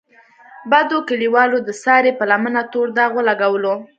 بدو کلیوالو د سارې په لمنه تور داغ ولګولو.